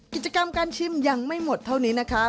กิจกรรมการชิมยังไม่หมดเท่านี้นะคะ